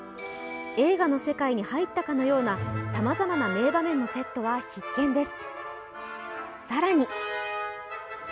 映画の世界に入ったかのようなさまざまな名場面のセットは必見です。